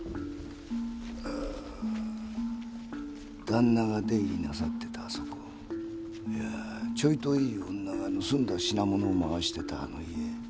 旦那が出入りなさってたあそこちょいといい女が盗んだ品物を回してたあの家。